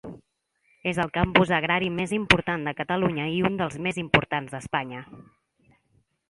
És el campus agrari més important de Catalunya i un dels més importants d'Espanya.